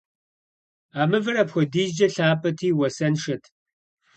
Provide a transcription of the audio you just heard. А мывэр апхуэдизкӀэ лъапӀэти, уасэншэт.